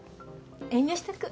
遠慮しとく。